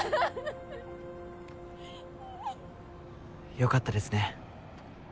良かったですね。